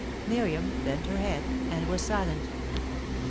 Miriam bent her head, and was silent.